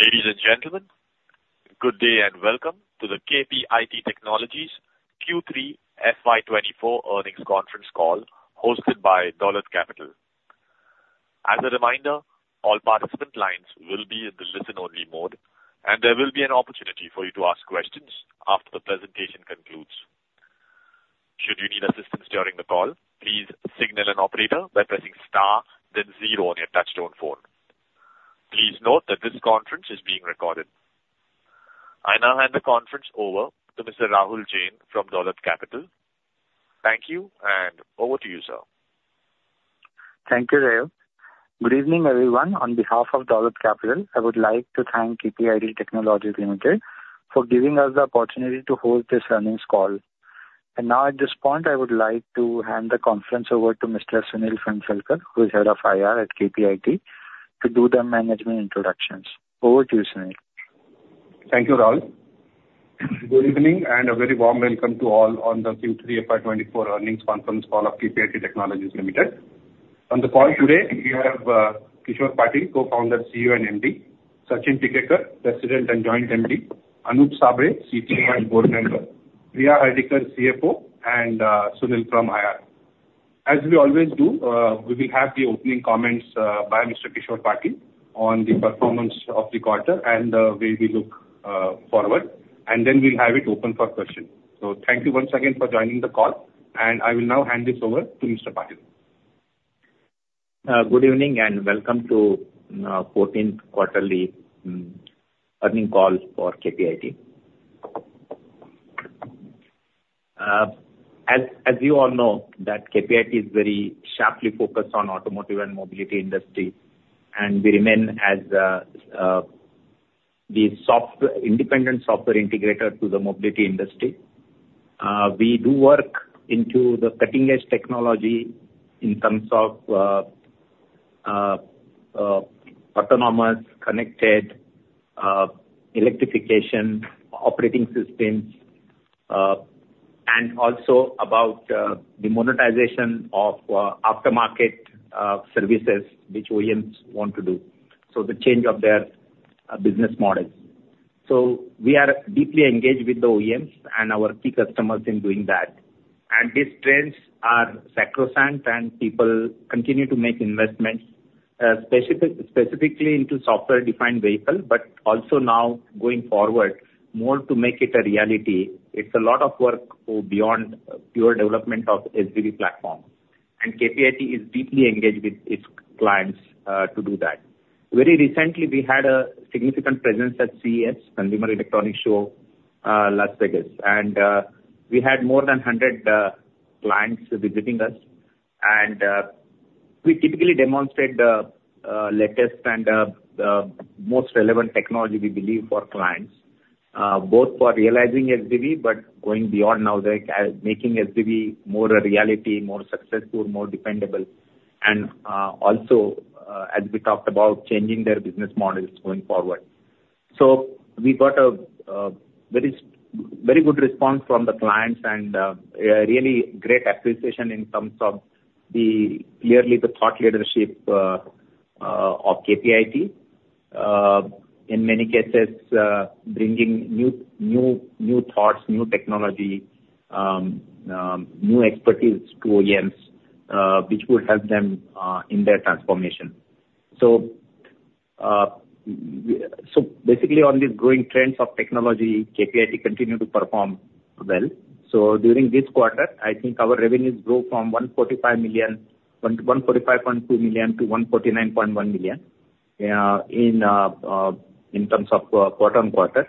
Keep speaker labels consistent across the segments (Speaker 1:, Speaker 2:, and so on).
Speaker 1: Ladies and gentlemen, good day, and welcome to the KPIT Technologies Q3 FY24 earnings conference call, hosted by Dolat Capital. As a reminder, all participant lines will be in the listen-only mode, and there will be an opportunity for you to ask questions after the presentation concludes. Should you need assistance during the call, please signal an operator by pressing star, then zero on your touchtone phone. Please note that this conference is being recorded. I now hand the conference over to Mr. Rahul Jain from Dolat Capital. Thank you, and over to you, sir.
Speaker 2: Thank you, Ray. Good evening, everyone. On behalf of Dolat Capital, I would like to thank KPIT Technologies Limited for giving us the opportunity to host this earnings call. Now at this point, I would like to hand the conference over to Mr. Sunil Phansalkar, who is Head of IR at KPIT, to do the management introductions. Over to you, Sunil.
Speaker 3: Thank you, Rahul. Good evening, and a very warm welcome to all on the Q3 FY24 earnings conference call of KPIT Technologies Limited. On the call today, we have Kishor Patil, Co-founder, CEO, and MD; Sachin Tikekar, President and Joint MD; Anup Sable, CTO and Board Member; Priya Hardikar, CFO; and Sunil from IR. As we always do, we will have the opening comments by Mr. Kishor Patil on the performance of the quarter and where we look forward, and then we'll have it open for questions. So thank you once again for joining the call, and I will now hand this over to Mr. Patil.
Speaker 4: Good evening, and welcome to fourteenth quarterly earnings call for KPIT. As you all know, that KPIT is very sharply focused on automotive and mobility industry, and we remain as the software-independent software integrator to the mobility industry. We do work into the cutting-edge technology in terms of autonomous, connected, electrification, operating systems, and also about the monetization of aftermarket services which OEMs want to do, so the change of their business model. So we are deeply engaged with the OEMs and our key customers in doing that. And these trends are sacrosanct, and people continue to make investments specific, specifically into software-defined vehicle, but also now going forward, more to make it a reality. It's a lot of work go beyond pure development of SDV platform, and KPIT is deeply engaged with its clients to do that. Very recently, we had a significant presence at CES, Consumer Electronics Show, Las Vegas. And we had more than 100 clients visiting us. And we typically demonstrate the latest and most relevant technology we believe for clients both for realizing SDV, but going beyond now, like making SDV more a reality, more successful, more dependable, and also, as we talked about, changing their business models going forward. So we got a very good response from the clients and a really great appreciation in terms of clearly the thought leadership of KPIT. In many cases, bringing new thoughts, new technology, new expertise to OEMs, which would help them in their transformation. So basically on the growing trends of technology, KPIT continue to perform well. So during this quarter, I think our revenues grew from $145.2 million to $149.1 million in terms of quarter-on-quarter.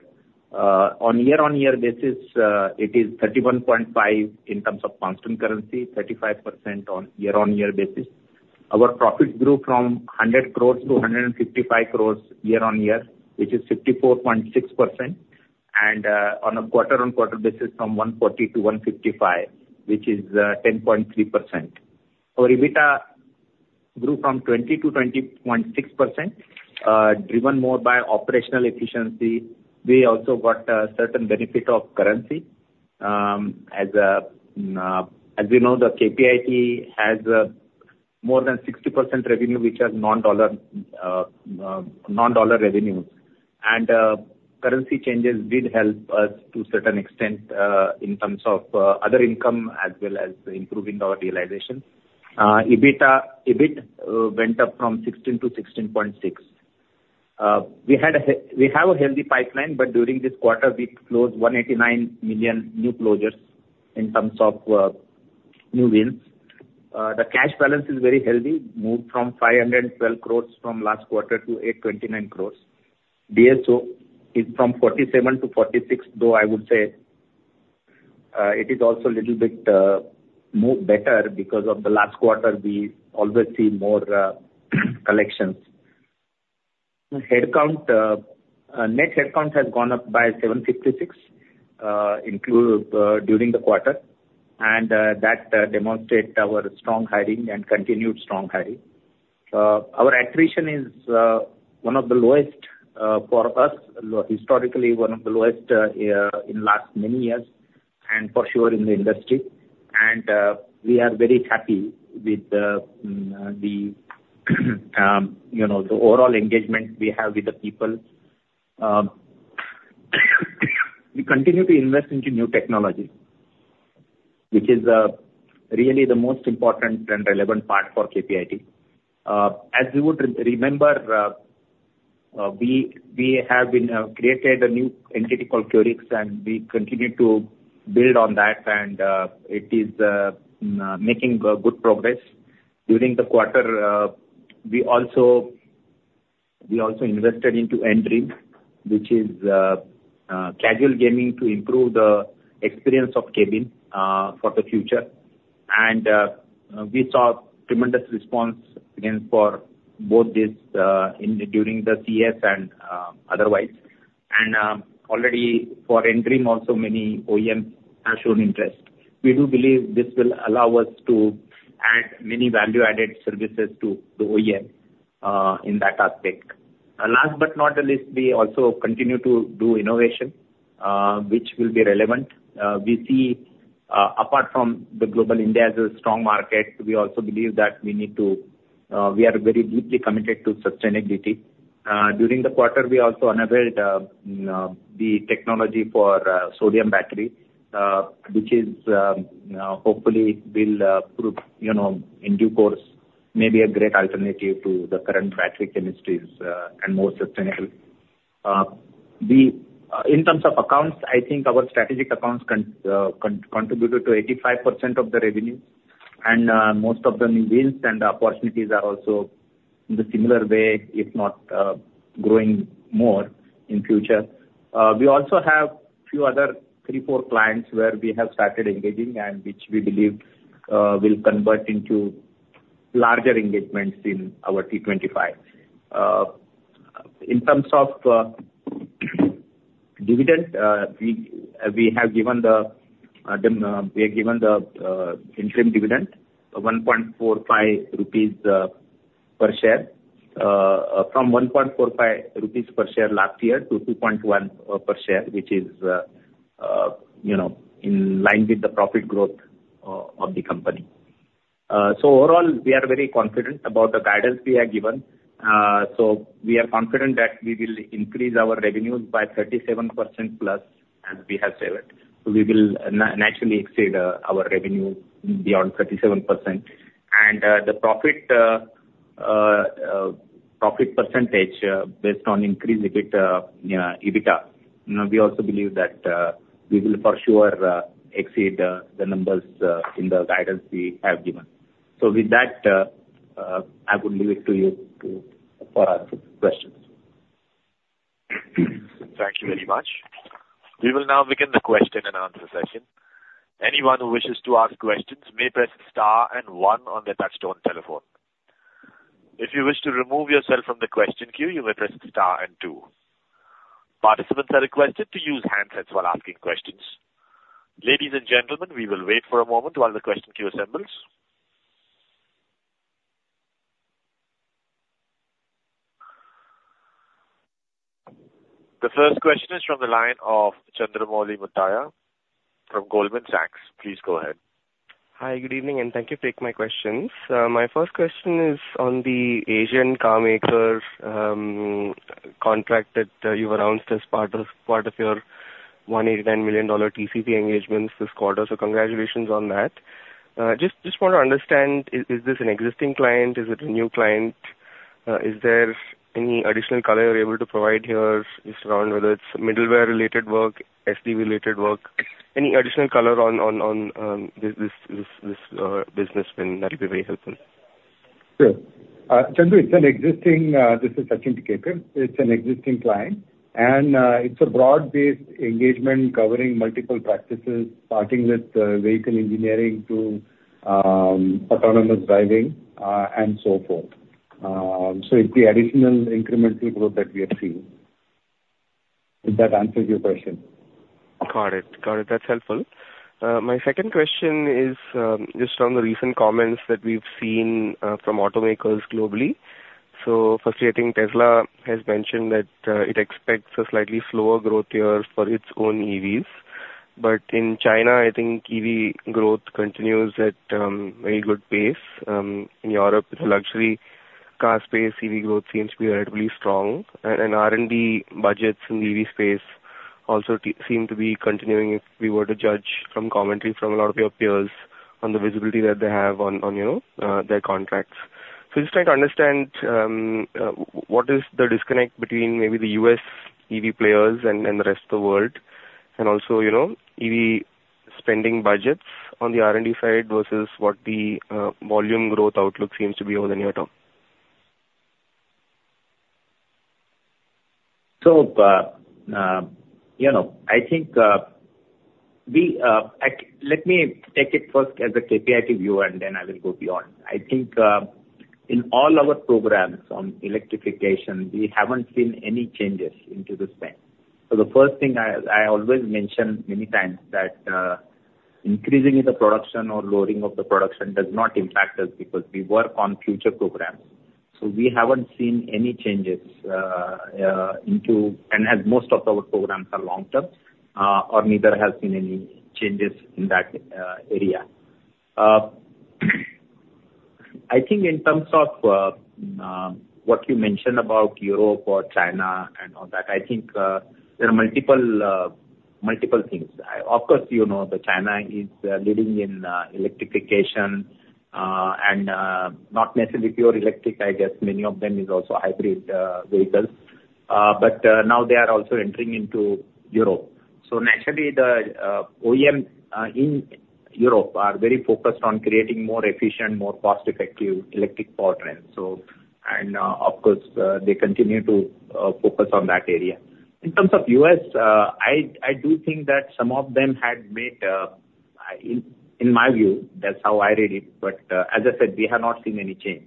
Speaker 4: On year-on-year basis, it is 31.5% in terms of constant currency, 35% on year-on-year basis. Our profits grew from 100 crores to 155 crores year-on-year, which is 54.6%. On a quarter-on-quarter basis, from 140 to 155, which is 10.3%. Our EBITDA grew from 20% to 20.6%, driven more by operational efficiency. We also got a certain benefit of currency. As we know, the KPIT has more than 60% revenue, which are non-dollar revenues. And currency changes did help us to a certain extent in terms of other income as well as improving our realization. EBITDA, EBIT went up from 16% to 16.6%. We have a healthy pipeline, but during this quarter, we closed $189 million new closures in terms of new wins. The cash balance is very healthy, moved from 512 crores from last quarter to 829 crores. DSO is from 47 to 46, though I would say, it is also a little bit more better because of the last quarter, we always see more collections. Headcount, net headcount has gone up by 756, include during the quarter, and that demonstrate our strong hiring and continued strong hiring. Our attrition is one of the lowest for us, historically one of the lowest in last many years, and for sure in the industry. We are very happy with the you know, the overall engagement we have with the people. We continue to invest into new technology, which is really the most important and relevant part for KPIT. As you would remember, we have been created a new entity called Curix, and we continue to build on that, and it is making good progress. During the quarter, we also invested into N-Dream, which is a casual gaming to improve the experience of cabin for the future. And we saw tremendous response, again, for both this in during the CES and otherwise. And already for N-Dream, also, many OEMs have shown interest. We do believe this will allow us to add many value-added services to the OEM in that aspect. Last but not the least, we also continue to do innovation which will be relevant. We see, apart from the global, India is a strong market. We also believe that we need to, we are very deeply committed to sustainability. During the quarter, we also unveiled the technology for sodium battery, which hopefully will prove, you know, in due course, maybe a great alternative to the current battery chemistries, and more sustainable. In terms of accounts, I think our strategic accounts contributed to 85% of the revenue, and most of them in wins, and opportunities are also in the similar way, if not growing more in future. We also have few other three, four clients where we have started engaging, and which we believe will convert into larger engagements in our T25. In terms of dividend, we have given them the interim dividend of 1.45 rupees per share. From 1.45 rupees per share last year to 2.1 per share, which is, you know, in line with the profit growth of the company. So overall, we are very confident about the guidance we have given. So we are confident that we will increase our revenues by 37%+, as we have said. We will naturally exceed our revenue beyond 37%. And the profit percentage based on increased EBIT, EBITDA. You know, we also believe that we will for sure exceed the numbers in the guidance we have given. So, with that, I would leave it to you to answer questions.
Speaker 1: Thank you very much. We will now begin the question and answer session. Anyone who wishes to ask questions may press star and one on their touchtone telephone. If you wish to remove yourself from the question queue, you may press star and two. Participants are requested to use handsets while asking questions. Ladies and gentlemen, we will wait for a moment while the question queue assembles. The first question is from the line of Chandramouli Muthiah from Goldman Sachs. Please go ahead.
Speaker 5: Hi, good evening, and thank you for taking my questions. My first question is on the Asian carmaker contract that you've announced as part of your $189 million TCV engagements this quarter. So congratulations on that. Just want to understand, is this an existing client? Is it a new client? Is there any additional color you're able to provide here, just around whether it's middleware-related work, SDV-related work? Any additional color on this business, then that'll be very helpful.
Speaker 4: Sure. Chandru, this is Sachin from KPIT. It's an existing client, and it's a broad-based engagement covering multiple practices, starting with vehicle engineering to autonomous driving, and so forth. So it's the additional incremental growth that we are seeing. If that answers your question.
Speaker 5: Got it. Got it. That's helpful. My second question is, just on the recent comments that we've seen, from automakers globally. So firstly, I think Tesla has mentioned that, it expects a slightly slower growth year for its own EVs. But in China, I think EV growth continues at, very good pace. In Europe, the luxury car space, EV growth seems to be relatively strong, and, and R&D budgets in the EV space also seem to be continuing, if we were to judge from commentary from a lot of your peers on the visibility that they have on, on, you know, their contracts. Just trying to understand, what is the disconnect between maybe the U.S. EV players and the rest of the world, and also, you know, EV spending budgets on the R&D side versus what the volume growth outlook seems to be over the near term?
Speaker 4: So, you know, I think, we, let me take it first as a KPIT view, and then I will go beyond. I think, in all our programs on electrification, we haven't seen any changes into the spend. So the first thing I always mention many times, that, increasing the production or lowering of the production does not impact us, because we work on future programs. So we haven't seen any changes, into, and as most of our programs are long term, or neither have seen any changes in that, area. I think in terms of, what you mentioned about Europe or China and all that, I think, there are multiple, multiple things. Of course, you know, the China is, leading in, electrification, and, not necessarily pure electric. I guess many of them is also hybrid vehicles. But now they are also entering into Europe. So naturally, the OEM in Europe are very focused on creating more efficient, more cost-effective electric powertrains. So and of course they continue to focus on that area. In terms of U.S., I do think that some of them had made, in my view, that's how I read it, but as I said, we have not seen any change.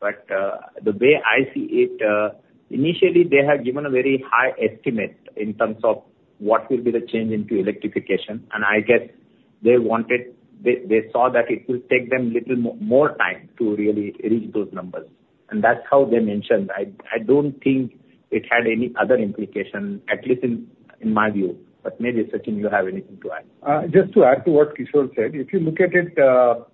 Speaker 4: But the way I see it, initially they had given a very high estimate in terms of what will be the change into electrification, and I guess they wanted... They saw that it will take them little more time to really reach those numbers, and that's how they mentioned. I don't think it had any other implication, at least in my view. But maybe, Sachin, you have anything to add?
Speaker 6: Just to add to what Kishor said, if you look at it, there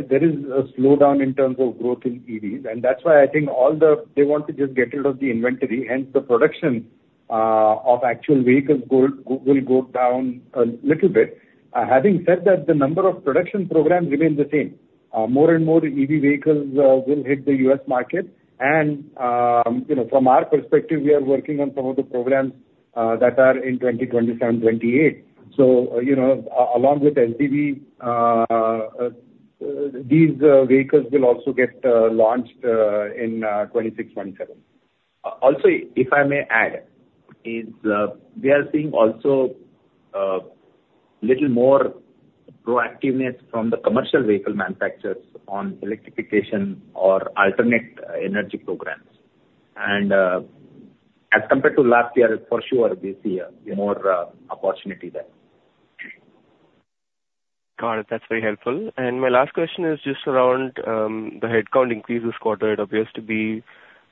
Speaker 6: is a slowdown in terms of growth in EVs, and that's why I think all the-- they want to just get rid of the inventory, and the production of actual vehicles will go down a little bit. Having said that, the number of production programs remains the same. More and more EV vehicles will hit the US market, and, you know, from our perspective, we are working on some of the programs that are in 2027, 2028. So, you know, along with LTV, these vehicles will also get launched in 2026, 2027.
Speaker 4: Also, if I may add, we are seeing also little more proactiveness from the commercial vehicle manufacturers on electrification or alternate energy programs. And, as compared to last year, for sure, this year, more opportunity there.
Speaker 5: Got it. That's very helpful. And my last question is just around the headcount increase this quarter. It appears to be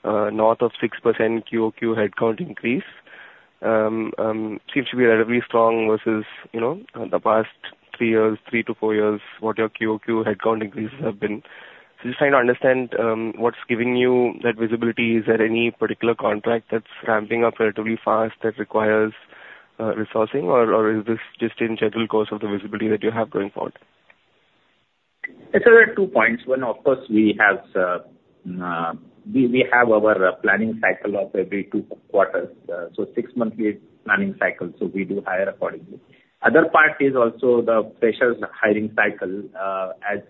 Speaker 5: north of 6% QOQ headcount increase. Seems to be relatively strong versus, you know, the past three years, three to four years, what your QOQ headcount increases have been. So just trying to understand what's giving you that visibility. Is there any particular contract that's ramping up relatively fast that requires resourcing? Or is this just in general course of the visibility that you have going forward?
Speaker 4: I'd say there are two points. One, of course, we have our planning cycle of every two quarters, so six monthly planning cycle, so we do hire accordingly. Other part is also the freshers hiring cycle, as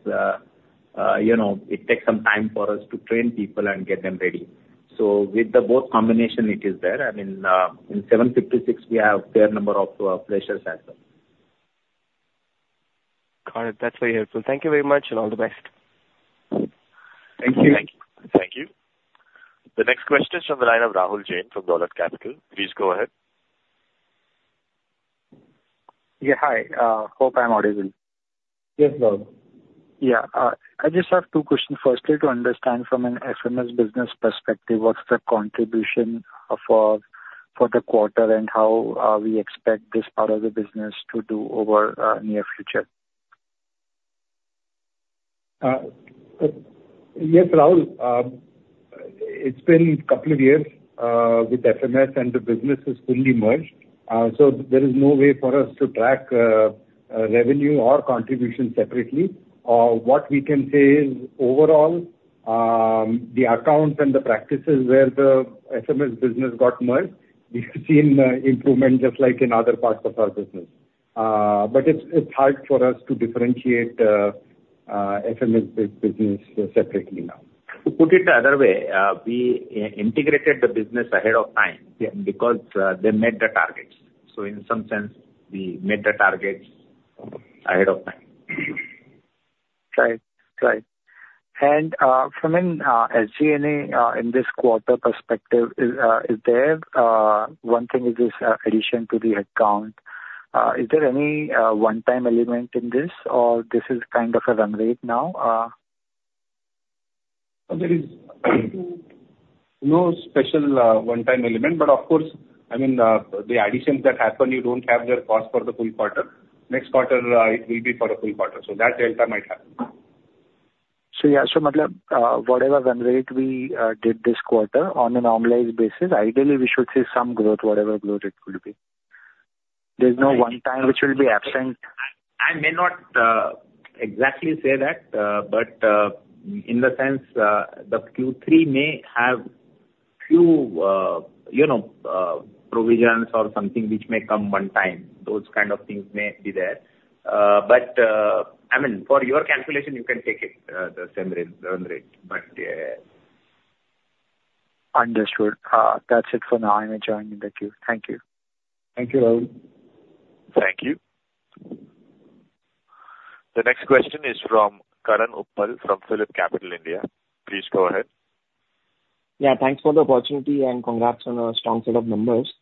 Speaker 4: you know, it takes some time for us to train people and get them ready. So with the both combination, it is there. I mean, in 756, we have fair number of freshers as well.
Speaker 5: Got it. That's very helpful. Thank you very much, and all the best.
Speaker 6: Thank you.
Speaker 4: Thank you.
Speaker 1: Thank you. The next question is from the line of Rahul Jain from Dolat Capital. Please go ahead.
Speaker 2: Yeah, hi. Hope I'm audible.
Speaker 6: Yes, Rahul.
Speaker 2: Yeah. I just have two questions. Firstly, to understand from an FMS business perspective, what's the contribution for, for the quarter and how we expect this part of the business to do over near future?
Speaker 6: Yes, Rahul. It's been couple of years with FMS, and the business is fully merged. So there is no way for us to track revenue or contribution separately. What we can say is, overall, the accounts and the practices where the FMS business got merged, we have seen improvement, just like in other parts of our business. But it's hard for us to differentiate FMS business separately now.
Speaker 4: To put it the other way, we integrated the business ahead of time, yeah, because they met the targets. So in some sense, we met the targets ahead of time.
Speaker 2: Right. Right. And from an SG&A in this quarter perspective, is there one thing? Is this addition to the headcount? Is there any one-time element in this, or is this kind of a run rate now?
Speaker 6: There is no special, one-time element, but of course, I mean, the additions that happen, you don't have the cost for the full quarter. Next quarter, it will be for a full quarter, so that delta might happen.
Speaker 2: Yeah, so whatever run rate we did this quarter, on a normalized basis, ideally, we should see some growth, whatever growth it could be. There's no one time which will be absent?
Speaker 4: I may not exactly say that, but in the sense, the Q3 may have few, you know, provisions or something which may come one time, those kind of things may be there. But I mean, for your calculation, you can take it, the same rate, run rate, but yeah.
Speaker 2: Understood. That's it for now. I may join you. Thank you.
Speaker 6: Thank you, Rahul.
Speaker 1: Thank you. The next question is from Karan Uppal, from Phillip Capital India. Please go ahead....
Speaker 7: Yeah, thanks for the opportunity, and congrats on a strong set of numbers.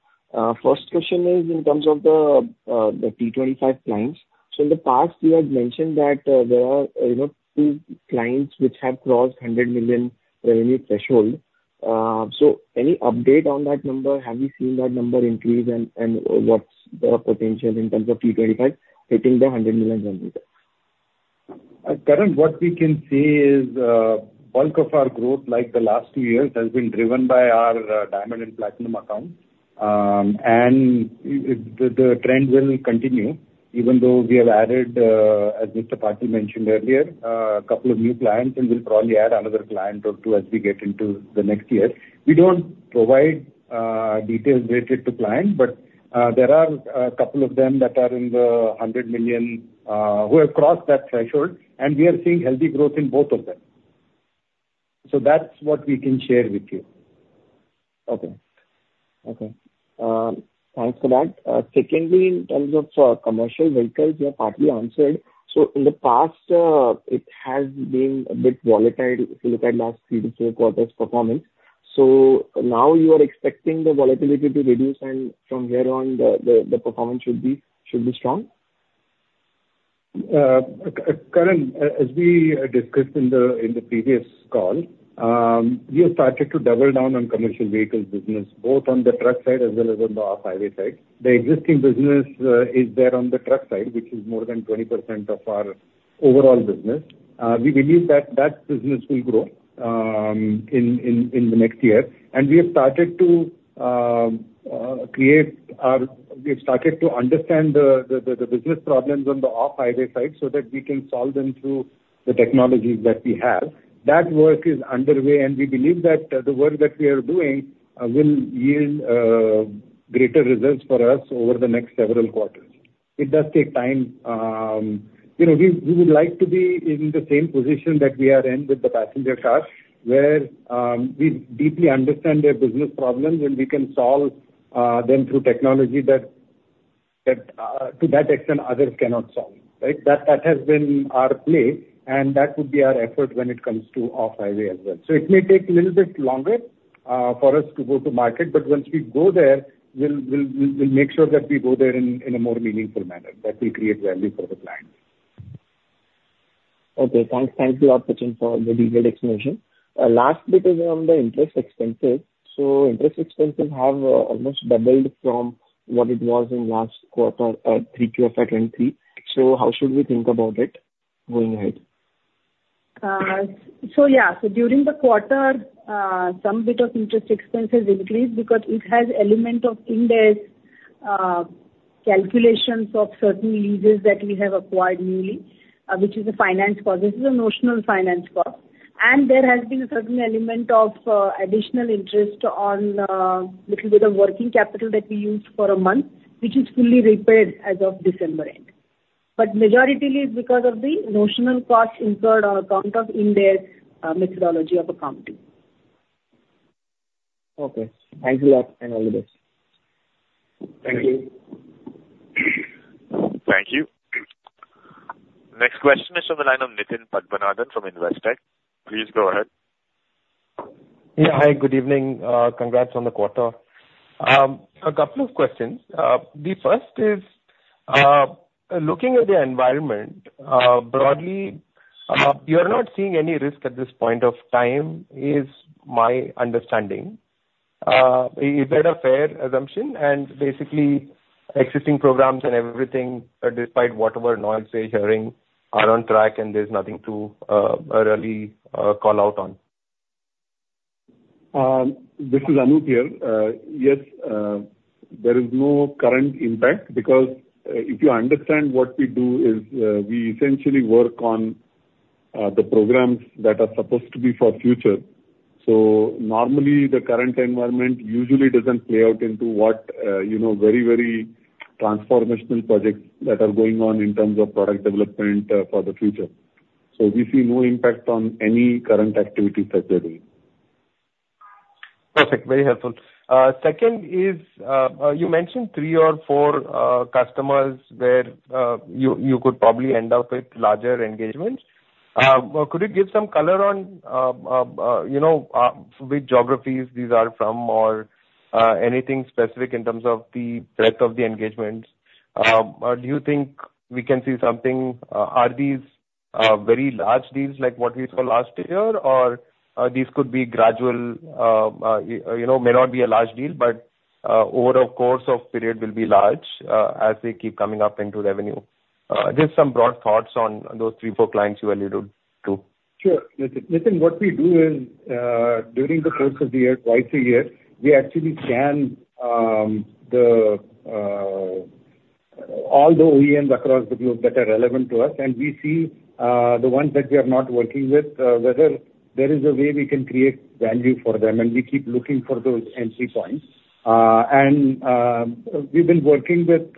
Speaker 7: First question is in terms of the T25 clients. So in the past, you had mentioned that, there are, you know, two clients which have crossed $100 million revenue threshold. So any update on that number? Have you seen that number increase, and, and what's the potential in terms of T25 hitting the $100 million revenue?
Speaker 6: Karan, what we can say is, bulk of our growth, like the last two years, has been driven by our diamond and platinum accounts. The trend will continue, even though we have added, as Mr. Patil mentioned earlier, a couple of new clients, and we'll probably add another client or two as we get into the next year. We don't provide details related to client, but there are a couple of them that are in the $100 million, who have crossed that threshold, and we are seeing healthy growth in both of them. So that's what we can share with you.
Speaker 7: Okay. Okay, thanks for that. Secondly, in terms of commercial vehicles, you partly answered. So in the past, it has been a bit volatile, if you look at last 3-4 quarters' performance. So now you are expecting the volatility to reduce, and from here on, the performance should be strong?
Speaker 6: Karan, as we discussed in the previous call, we have started to double down on commercial vehicles business, both on the truck side as well as on the off-highway side. The existing business is there on the truck side, which is more than 20% of our overall business. We believe that that business will grow in the next year, and we have started to understand the business problems on the off-highway side so that we can solve them through the technologies that we have. That work is underway, and we believe that the work that we are doing will yield greater results for us over the next several quarters. It does take time. You know, we would like to be in the same position that we are in with the passenger cars, where we deeply understand their business problems, and we can solve them through technology that, to that extent, others cannot solve, right? That has been our play, and that would be our effort when it comes to off-highway as well. So it may take a little bit longer for us to go to market, but once we go there, we'll make sure that we go there in a more meaningful manner that will create value for the client.
Speaker 7: Okay, thanks. Thank you, Abhijit, for the detailed explanation. Last bit is on the interest expenses. So interest expenses have almost doubled from what it was in last quarter, Q3 of 2023. So how should we think about it going ahead?
Speaker 8: So yeah. So during the quarter, some bit of interest expense has increased because it has element of index calculations of certain leases that we have acquired newly, which is a finance cost. This is a notional finance cost. And there has been a certain element of additional interest on little bit of working capital that we used for a month, which is fully repaid as of December end. But majority is because of the notional costs incurred on account of index methodology of accounting.
Speaker 7: Okay. Thanks a lot, and all the best.
Speaker 6: Thank you.
Speaker 1: Thank you. Next question is from the line of Nitin Padmanabhan from Investec. Please go ahead.
Speaker 9: Yeah, hi, good evening. Congrats on the quarter. A couple of questions. The first is, looking at the environment, broadly, you're not seeing any risk at this point of time, is my understanding. Is that a fair assumption? And basically, existing programs and everything, despite whatever noise we're hearing, are on track, and there's nothing to, really, call out on.
Speaker 10: This is Anup here. Yes, there is no current impact because if you understand what we do is we essentially work on the programs that are supposed to be for future. So normally, the current environment usually doesn't play out into what you know very, very transformational projects that are going on in terms of product development for the future. So we see no impact on any current activities as they are.
Speaker 9: Perfect. Very helpful. Second is, you mentioned three or four customers where you could probably end up with larger engagements. Could you give some color on, you know, which geographies these are from, or anything specific in terms of the breadth of the engagements? Do you think we can see something? Are these very large deals, like what we saw last year? Or these could be gradual, you know, may not be a large deal, but over a course of period will be large, as they keep coming up into revenue. Just some broad thoughts on those three, four clients you alluded to.
Speaker 6: Sure, Nitin. Nitin, what we do is, during the course of the year, twice a year, we actually scan all the OEMs across the globe that are relevant to us, and we see the ones that we are not working with, whether there is a way we can create value for them, and we keep looking for those entry points. We've been working with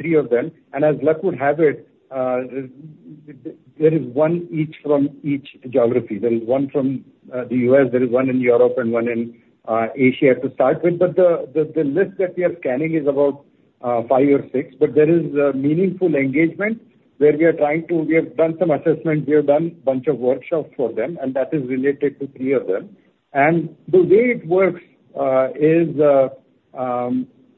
Speaker 6: three of them, and as luck would have it, there is one each from each geography. There is one from the U.S., there is one in Europe, and one in-...
Speaker 4: Asia to start with, but the list that we are scanning is about 5 or 6. But there is meaningful engagement where we have done some assessment, we have done bunch of workshops for them, and that is related to 3 of them. And the way it works is,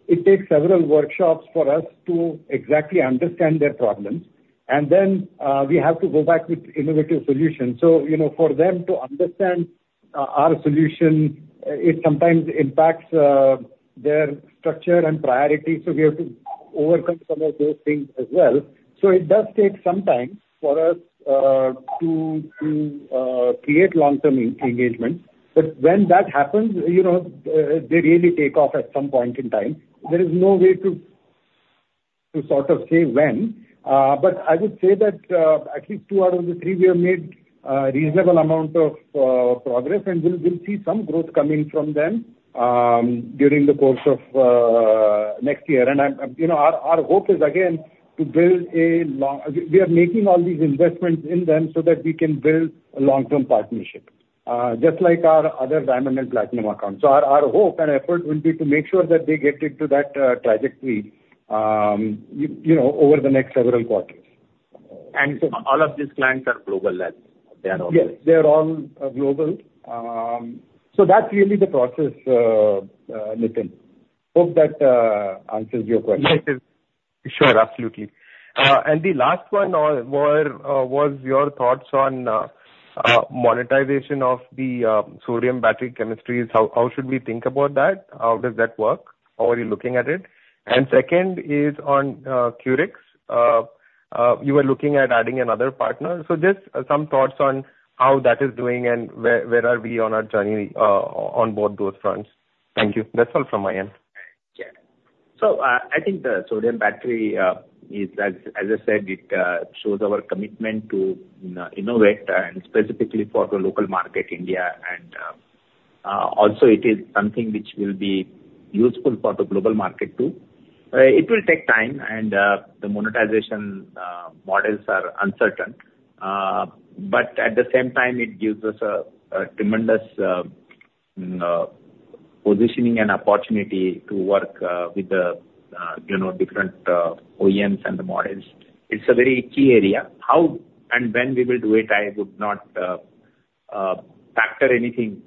Speaker 4: it takes several workshops for us to exactly understand their problems, and then we have to go back with innovative solutions. So, you know, for them to understand our solution, it sometimes impacts their structure and priority, so we have to overcome some of those things as well. So it does take some time for us to create long-term engagement. But when that happens, you know, they really take off at some point in time. There is no way to sort of say when, but I would say that at least two out of the three, we have made a reasonable amount of progress, and we'll see some growth coming from them during the course of next year. And I'm, you know, our hope is again to build a long... We are making all these investments in them so that we can build a long-term partnership just like our other diamond and platinum accounts. So our hope and effort will be to make sure that they get into that trajectory, you know, over the next several quarters.
Speaker 9: And so all of these clients are global then, they are all-
Speaker 4: Yes, they are all global. So that's really the process, Nitin. Hope that answers your question.
Speaker 9: Yes, sir. Sure, absolutely. And the last one was your thoughts on monetization of the sodium battery chemistries. How should we think about that? How does that work? How are you looking at it? And second is on Curix. You were looking at adding another partner. So just some thoughts on how that is doing and where are we on our journey on board those fronts. Thank you. That's all from my end.
Speaker 4: Yeah. So, I think the sodium battery is, as I said, it shows our commitment to innovate and specifically for the local market, India, and also it is something which will be useful for the global market, too. It will take time, and the monetization models are uncertain. But at the same time, it gives us a tremendous positioning and opportunity to work with the, you know, different OEMs and the models. It's a very key area. How and when we will do it, I would not factor anything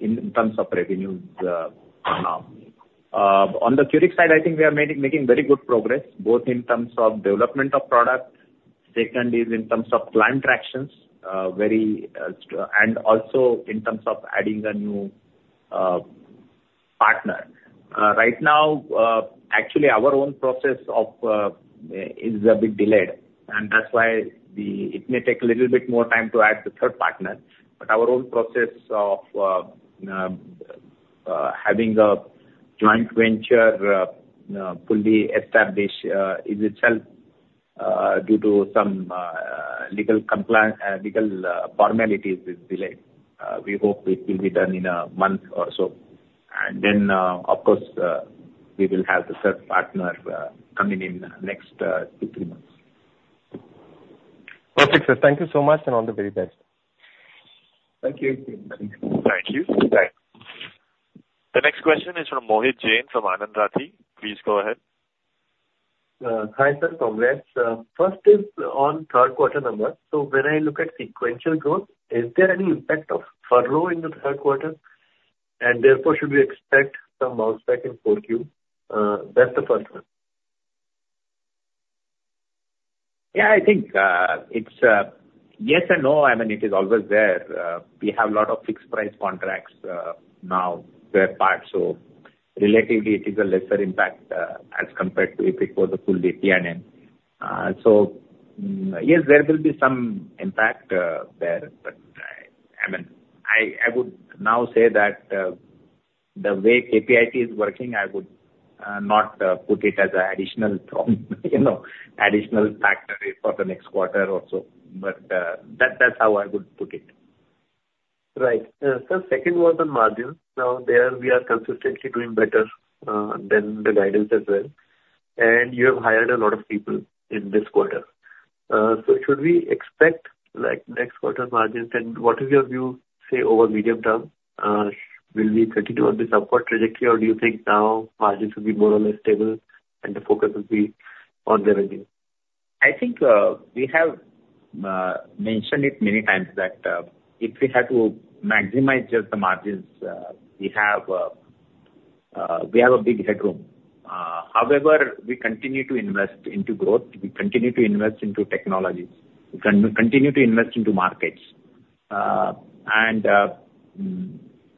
Speaker 4: in terms of revenues now. On the Curix side, I think we are making very good progress, both in terms of development of product, second is in terms of client tractions, very and also in terms of adding a new partner. Right now, actually our own process of is a bit delayed, and that's why it may take a little bit more time to add the third partner, but our own process of having a joint venture fully established in itself due to some legal formalities is delayed. We hope it will be done in a month or so. And then, of course, we will have the third partner coming in next 2-3 months.
Speaker 9: Perfect, sir. Thank you so much, and all the very best.
Speaker 4: Thank you.
Speaker 1: Thank you. Bye. The next question is from Mohit Jain, from Anand Rathi. Please go ahead.
Speaker 11: Hi, sir. Congrats. First is on third quarter numbers. So when I look at sequential growth, is there any impact of furlough in the third quarter? And therefore, should we expect some bounce back in 4Q? That's the first one.
Speaker 4: Yeah, I think, it's, yes and no. I mean, it is always there. We have a lot of fixed price contracts, now FPPs, so relatively it is a lesser impact, as compared to if it was a full DPNM. So, yes, there will be some impact, there, but, I mean, I would now say that, the way KPIT is working, I would not put it as an additional problem, you know, additional factor for the next quarter or so. But, that, that's how I would put it.
Speaker 11: Right. Sir, second was on margins. Now, there we are consistently doing better than the guidance as well, and you have hired a lot of people in this quarter. So should we expect, like, next quarter margins? And what is your view, say, over medium term, will we continue on this upward trajectory, or do you think now margins will be more or less stable, and the focus will be on the revenue?
Speaker 4: I think, we have mentioned it many times that, if we had to maximize just the margins, we have a big headroom. However, we continue to invest into growth, we continue to invest into technologies, continue to invest into markets. And,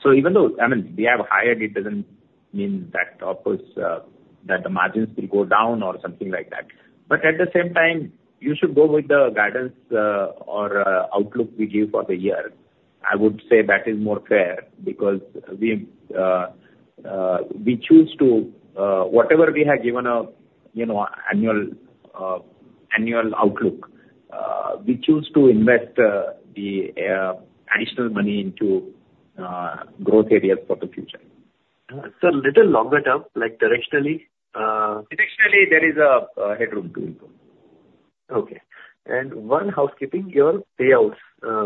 Speaker 4: so even though, I mean, we have hired, it doesn't mean that, of course, that the margins will go down or something like that. But at the same time, you should go with the guidance, or, outlook we give for the year. I would say that is more fair because we, we choose to, whatever we have given a, you know, annual, annual outlook, we choose to invest, the, additional money into, growth areas for the future.
Speaker 11: Sir, little longer term, like directionally,
Speaker 4: Directionally, there is a headroom to improve....
Speaker 11: Okay. One housekeeping, your payouts,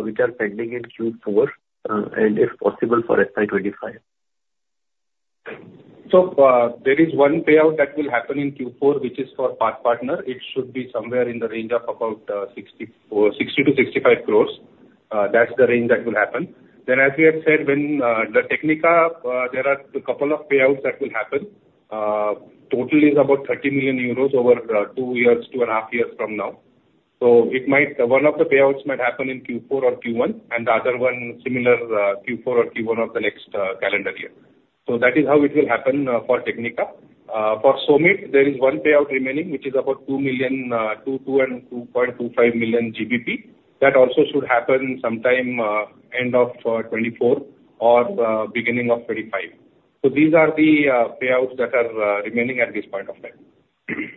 Speaker 11: which are pending in Q4, and if possible, for FY 25?
Speaker 4: So, there is one payout that will happen in Q4, which is for our partner. It should be somewhere in the range of about 60-65 crores. That's the range that will happen. Then, as we have said, when the Technica, there are a couple of payouts that will happen. Total is about 30 million euros over 2 years, 2.5 years from now. So it might, one of the payouts might happen in Q4 or Q1, and the other one similar, Q4 or Q1 of the next calendar year. So that is how it will happen for Technica. For Somit, there is one payout remaining, which is about 2-2.25 million GBP. That also should happen sometime, end of 2024 or beginning of 2025. So these are the payouts that are remaining at this point of time.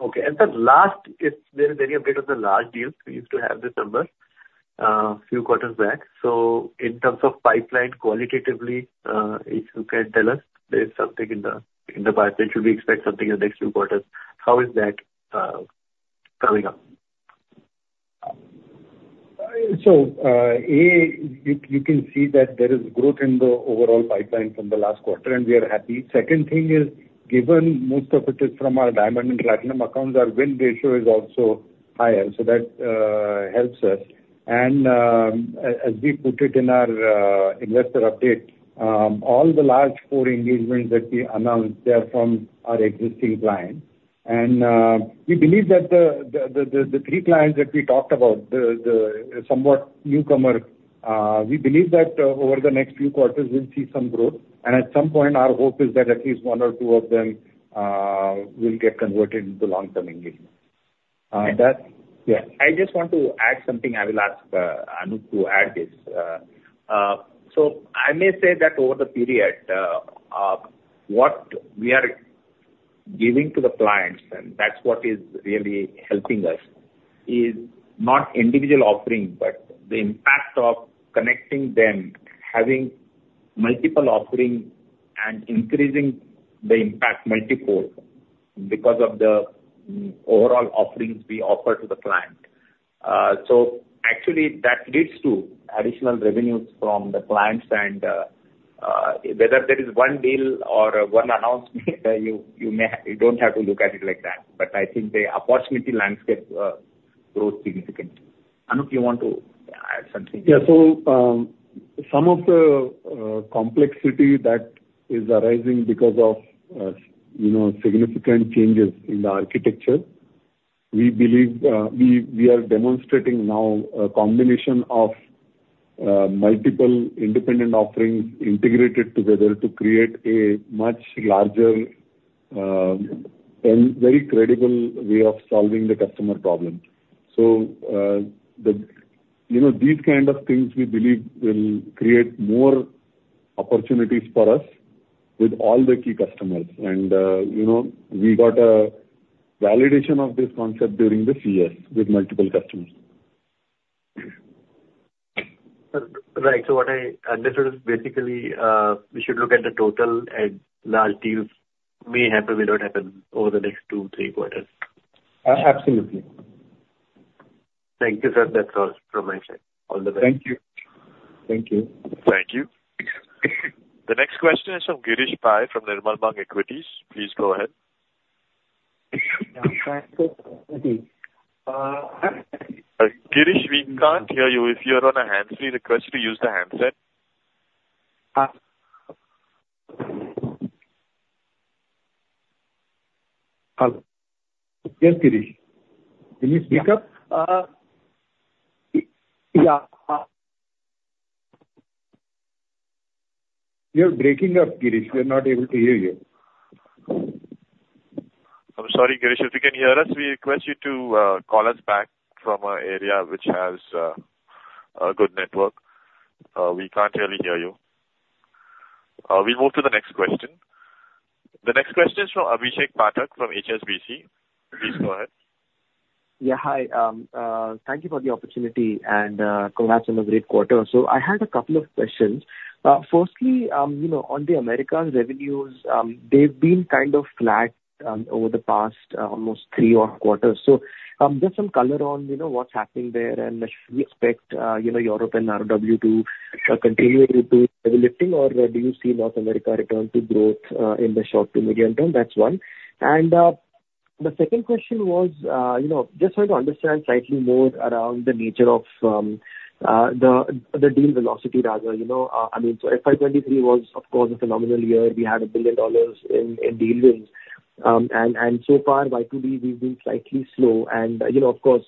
Speaker 11: Okay. And the last, if there is any update on the large deals, we used to have this number, few quarters back. So in terms of pipeline, qualitatively, if you can tell us there's something in the, in the pipe, should we expect something in the next few quarters? How is that, coming up?
Speaker 6: You can see that there is growth in the overall pipeline from the last quarter, and we are happy. Second thing is, given most of it is from our diamond and platinum accounts, our win ratio is also higher, so that helps us. As we put it in our investor update, all the large core engagements that we announced, they're from our existing clients. We believe that the three clients that we talked about, the somewhat newcomer, we believe that over the next few quarters we'll see some growth. At some point, our hope is that at least one or two of them will get converted into long-term engagement. That...
Speaker 4: Yeah, I just want to add something. I will ask, Anup to add this. So I may say that over the period, what we are giving to the clients, and that's what is really helping us, is not individual offering, but the impact of connecting them, having multiple offerings and increasing the impact multi-core because of the overall offerings we offer to the client. So actually, that leads to additional revenues from the clients and whether there is one deal or one announcement, you, you may, you don't have to look at it like that. But I think the opportunity landscape grows significantly. Anup, you want to add something?
Speaker 10: Yeah. So, some of the complexity that is arising because of, you know, significant changes in the architecture, we believe, we are demonstrating now a combination of multiple independent offerings integrated together to create a much larger, and very credible way of solving the customer problems. So, the, you know, these kind of things we believe will create more opportunities for us with all the key customers. And, you know, we got a validation of this concept during this year with multiple customers.
Speaker 11: Right. So what I understood is basically, we should look at the total and large deals may happen, may not happen over the next two, three quarters.
Speaker 6: Uh, absolutely.
Speaker 11: Thank you, sir. That's all from my side. All the best.
Speaker 6: Thank you. Thank you.
Speaker 1: Thank you. The next question is from Girish Pai, from Nirmal Bang Equities. Please go ahead.
Speaker 12: Uh...
Speaker 1: Girish, we can't hear you. If you're on a hands-free, request to use the handset.
Speaker 12: Uh.
Speaker 6: Hello. Yes, Girish. Can you speak up?
Speaker 12: Yeah.
Speaker 6: You're breaking up, Girish. We're not able to hear you.
Speaker 1: I'm sorry, Girish. If you can hear us, we request you to call us back from an area which has a good network. We can't really hear you. We move to the next question. The next question is from Abhishek Pathak, from HSBC. Please go ahead.
Speaker 13: Yeah, hi. Thank you for the opportunity and congrats on the great quarter. So I had a couple of questions. Firstly, you know, on the Americas revenues, they've been kind of flat over the past almost three odd quarters. So just some color on, you know, what's happening there, and should we expect, you know, Europe and RoW to continue to be lifting? Or do you see North America return to growth in the short to medium term? That's one. And the second question was, you know, just trying to understand slightly more around the nature of the deal velocity rather, you know, I mean, so FY 2023 was, of course, a phenomenal year. We had $1 billion in deal wins. And so far, Y to D, we've been slightly slow. And you know, of course,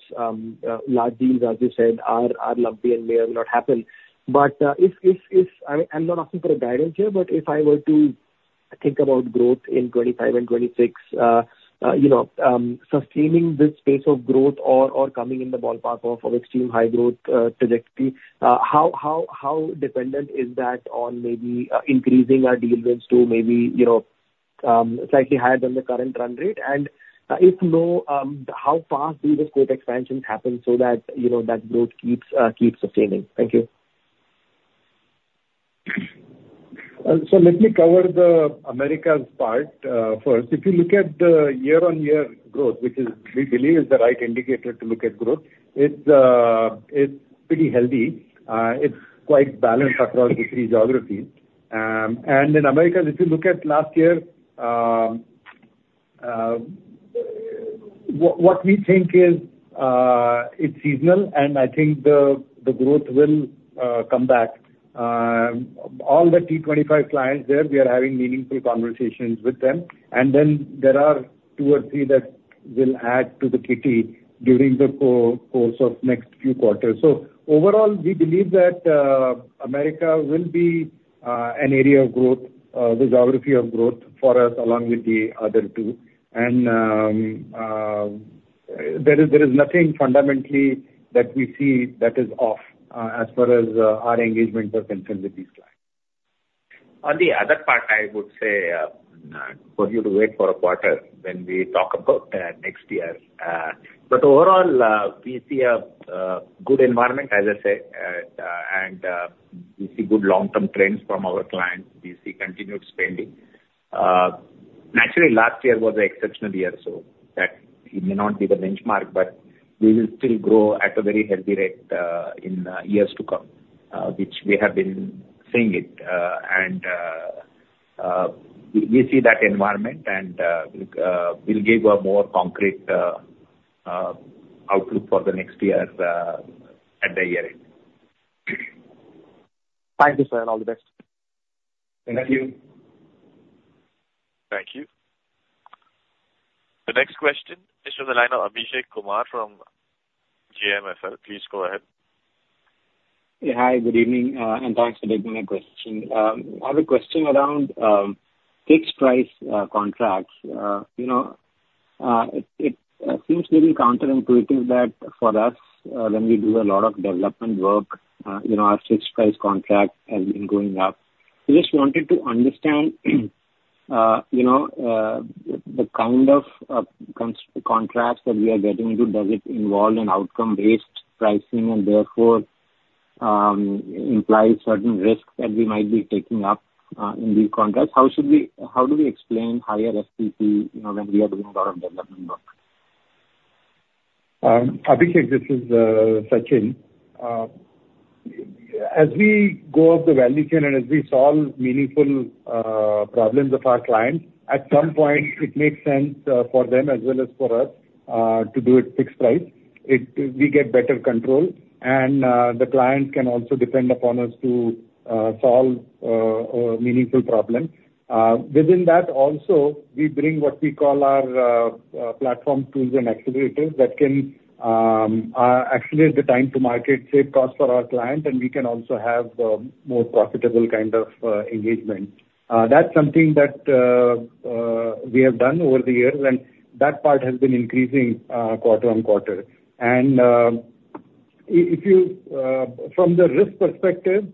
Speaker 13: large deals, as you said, are lumpy and may or may not happen. But if I'm not asking for a guidance here, but if I were to think about growth in 2025 and 2026, you know, sustaining this pace of growth or coming in the ballpark of extreme high growth trajectory, how dependent is that on maybe increasing our deal wins to maybe you know slightly higher than the current run rate? And if no, how fast do the scope expansions happen so that you know that growth keeps sustaining? Thank you....
Speaker 6: So let me cover the Americas part first. If you look at the year-on-year growth, which is, we believe is the right indicator to look at growth, it's pretty healthy. It's quite balanced across the three geographies. And in America, if you look at last year, what we think is, it's seasonal, and I think the growth will come back. All the T25 clients there, we are having meaningful conversations with them. And then there are two or three that will add to the kitty during the course of next few quarters. So overall, we believe that, America will be an area of growth, the geography of growth for us, along with the other two. There is nothing fundamentally that we see that is off as far as our engagements are concerned with these clients.
Speaker 4: On the other part, I would say for you to wait for a quarter when we talk about next year. But overall, we see a good environment, as I said, and we see good long-term trends from our clients. We see continued spending. Naturally, last year was an exceptional year, so that it may not be the benchmark, but we will still grow at a very healthy rate in years to come, which we have been seeing it. And we see that environment, and we'll give a more concrete outlook for the next year at the year-end. Thank you, sir. All the best. Thank you.
Speaker 1: Thank you. The next question is from the line of Abhishek Kumar from JMFL. Please go ahead.
Speaker 14: Yeah, hi, good evening, and thanks for taking my question. I have a question around fixed price contracts. You know, it seems maybe counterintuitive that for us, when we do a lot of development work, you know, our fixed price contract has been going up. I just wanted to understand, you know, the kind of contracts that we are getting into, does it involve an outcome-based pricing, and therefore imply certain risks that we might be taking up in these contracts? How should we? How do we explain higher FPP, you know, when we are doing a lot of development work?
Speaker 6: Abhishek, this is Sachin. As we go up the value chain and as we solve meaningful problems of our clients, at some point it makes sense for them as well as for us to do it fixed price. It, we get better control, and the client can also depend upon us to solve a meaningful problem. Within that also, we bring what we call our platform tools and accelerators that can accelerate the time to market, save costs for our clients, and we can also have more profitable kind of engagement. That's something that we have done over the years, and that part has been increasing quarter on quarter. And if you, from the risk perspective,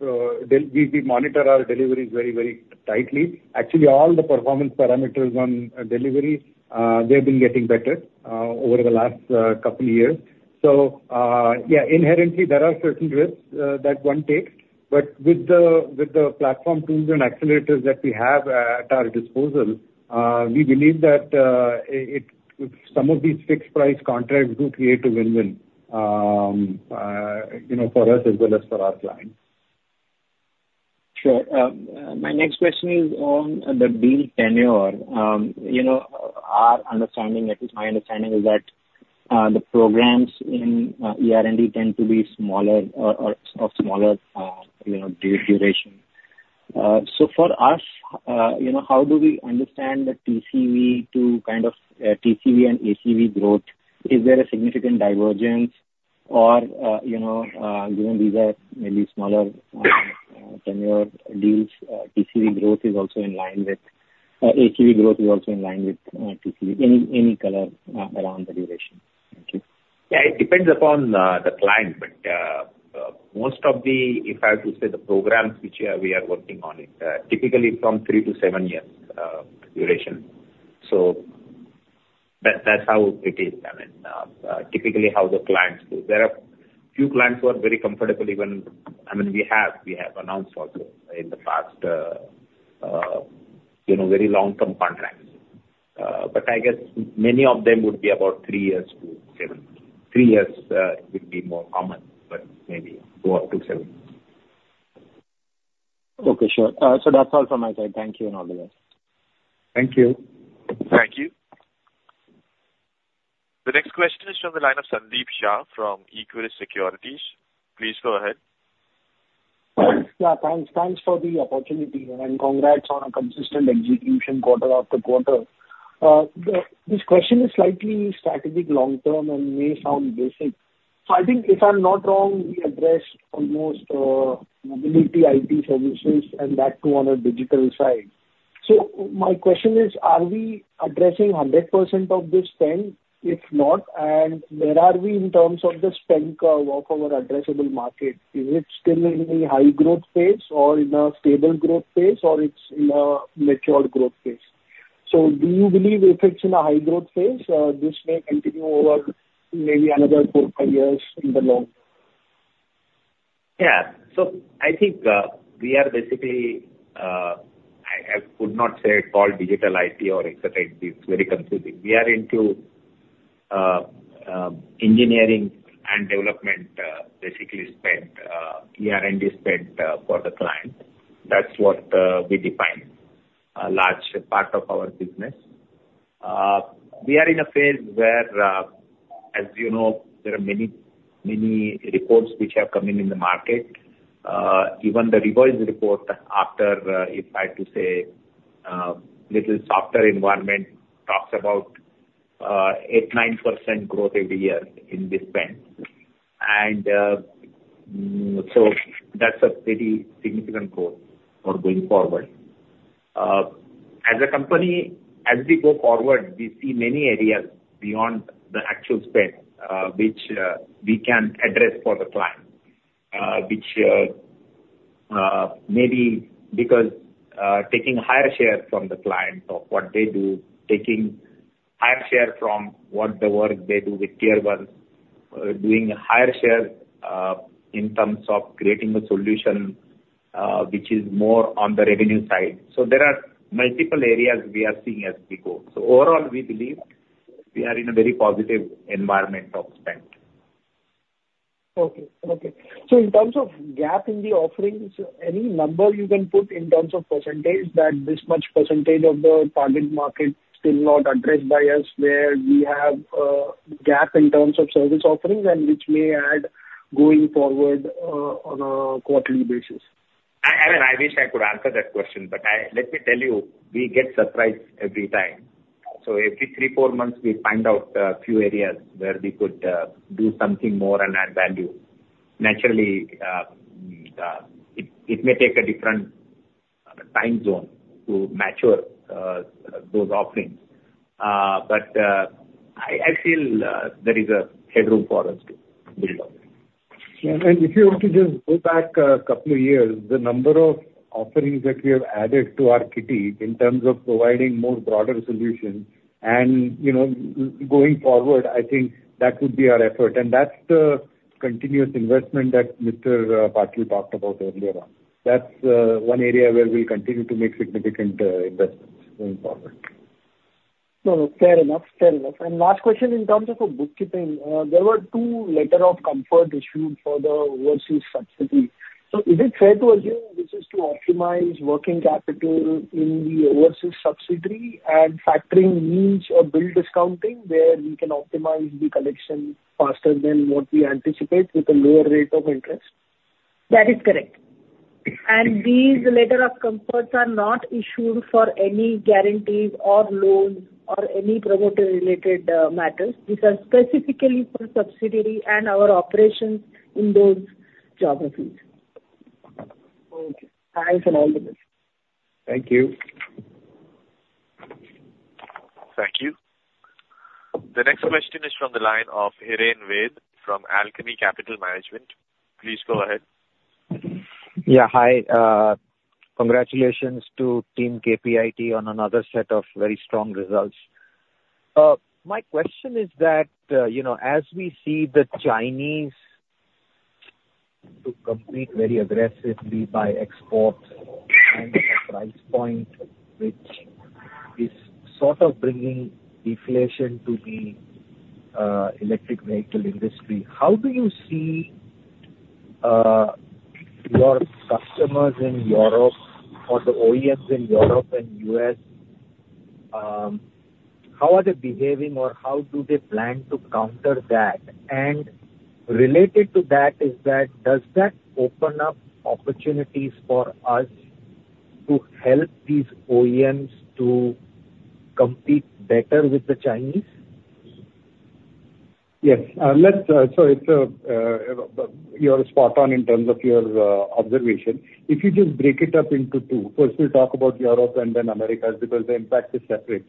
Speaker 6: we monitor our deliveries very, very tightly. Actually, all the performance parameters on delivery, they've been getting better over the last couple years. So, yeah, inherently, there are certain risks that one takes, but with the platform tools and accelerators that we have at our disposal, we believe that some of these fixed price contracts do create a win-win, you know, for us as well as for our clients.
Speaker 14: Sure. My next question is on the deal tenure. You know, our understanding, at least my understanding, is that the programs in ER&D tend to be smaller or of smaller, you know, duration. So for us, you know, how do we understand the TCV to kind of TCV and ACV growth? Is there a significant divergence or, you know, given these are maybe smaller tenure deals, TCV growth is also in line with ACV growth is also in line with TCV. Any color around the duration? Thank you.
Speaker 4: Yeah, it depends upon the client, but most of the, if I have to say, the programs which we are working on, it typically from three to seven years duration. So that's how it is. I mean, typically how the clients do. There are few clients who are very comfortable even. I mean, we have announced also in the past, you know, very long-term contracts. But I guess many of them would be about three years to seven. Three years would be more common, but maybe go up to seven.
Speaker 14: Okay, sure. So that's all from my side. Thank you, and all the best.
Speaker 6: Thank you.
Speaker 1: Thank you. The next question is from the line of Sandeep Shah from Equirus Securities. Please go ahead.
Speaker 15: Yeah, thanks. Thanks for the opportunity, and congrats on a consistent execution quarter after quarter. This question is slightly strategic long term and may sound basic. So I think, if I'm not wrong, we addressed almost mobility IT services and that too, on a digital side. So my question is: Are we addressing 100% of the spend? If not, and where are we in terms of the spend curve of our addressable market? Is it still in a high growth phase, or in a stable growth phase, or it's in a matured growth phase? So do you believe if it's in a high growth phase, this may continue over maybe another 4-5 years in the long?
Speaker 4: Yeah. So I think, we are basically, I, I could not say call digital IT or executive, it's very confusing. We are into, engineering and development, basically spend, ER&D spend, for the client. That's what, we define a large part of our business. We are in a phase where, as you know, there are many, many reports which have come in, in the market. Even the revised report after, if I to say, little softer environment, talks about 8%-9% growth every year in this spend. So that's a pretty significant growth for going forward. As a company, as we go forward, we see many areas beyond the actual spend, which we can address for the client, which maybe because taking higher share from the client of what they do, taking higher share from what the work they do with Tier 1, doing higher share in terms of creating a solution, which is more on the revenue side. So there are multiple areas we are seeing as we go. So overall, we believe we are in a very positive environment of spend.
Speaker 15: Okay. Okay. So in terms of gap in the offerings, any number you can put in terms of percentage, that this much percentage of the target market still not addressed by us, where we have, gap in terms of service offerings and which may add going forward, on a quarterly basis?
Speaker 4: I mean, I wish I could answer that question, but let me tell you, we get surprised every time. So every 3, 4 months, we find out a few areas where we could do something more and add value. Naturally, it may take a different time zone to mature those offerings. But I feel there is headroom for us to build on.
Speaker 6: Yeah, and if you want to just go back a couple of years, the number of offerings that we have added to our kitty in terms of providing more broader solutions and, you know, going forward, I think that would be our effort. That's the continuous investment that Mr. Patil talked about earlier on. That's one area where we'll continue to make significant investments going forward.
Speaker 15: No, fair enough. Fair enough. And last question, in terms of bookkeeping, there were two letters of comfort issued for the overseas subsidiary. So is it fair to assume this is to optimize working capital in the overseas subsidiary and factoring needs or bill discounting, where we can optimize the collection faster than what we anticipate with a lower rate of interest?
Speaker 8: That is correct. These letters of comfort are not issued for any guarantees or loans or any promoter-related matters. These are specifically for subsidiaries and our operations in those geographies.
Speaker 15: Okay. Thanks for all the help.
Speaker 6: Thank you.
Speaker 1: Thank you. The next question is from the line of Hiren Ved, from Alchemy Capital Management. Please go ahead.
Speaker 16: Yeah, hi. Congratulations to team KPIT on another set of very strong results. My question is that, you know, as we see the Chinese to compete very aggressively by exports and the price point, which is sort of bringing deflation to the, electric vehicle industry, how do you see, your customers in Europe or the OEMs in Europe and U.S., how are they behaving or how do they plan to counter that? And related to that is that, does that open up opportunities for us to help these OEMs to compete better with the Chinese?
Speaker 6: Yes. You're spot on in terms of your observation. If you just break it up into two. First, we'll talk about Europe and then Americas, because the impact is separate.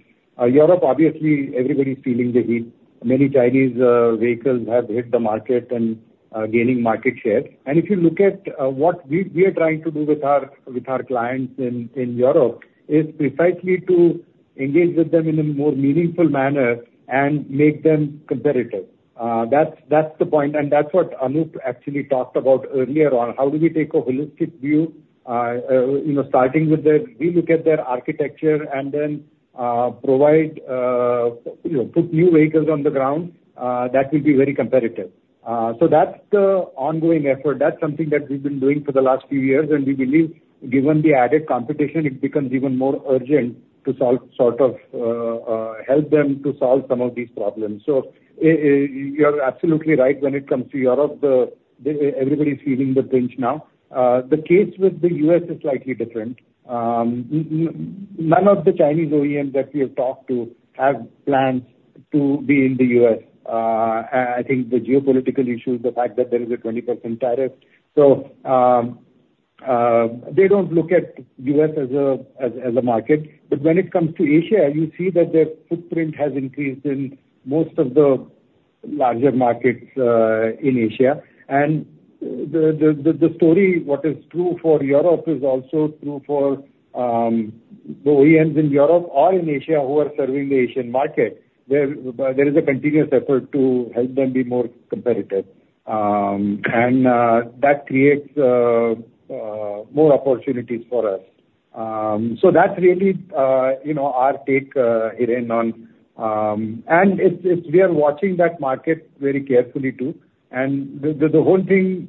Speaker 6: Europe, obviously, everybody's feeling the heat. Many Chinese vehicles have hit the market and are gaining market share. And if you look at what we are trying to do with our clients in Europe is precisely to engage with them in a more meaningful manner and make them competitive. That's the point, and that's what Anup actually talked about earlier on. How do we take a holistic view, you know, starting with the, we look at their architecture and then provide, you know, put new vehicles on the ground that will be very competitive. So that's the ongoing effort. That's something that we've been doing for the last few years, and we believe, given the added competition, it becomes even more urgent to solve, sort of, help them to solve some of these problems. So you are absolutely right when it comes to Europe, everybody's feeling the pinch now. The case with the U.S. is slightly different. None of the Chinese OEMs that we have talked to have plans to be in the U.S. I think the geopolitical issues, the fact that there is a 20% tariff. So they don't look at U.S. as a market. But when it comes to Asia, you see that their footprint has increased in most of the-...
Speaker 4: larger markets in Asia. And the story, what is true for Europe is also true for the OEMs in Europe or in Asia who are serving the Asian market. There is a continuous effort to help them be more competitive, and that creates more opportunities for us. So that's really, you know, our take, Hiren, on... And it's we are watching that market very carefully, too. And the whole thing,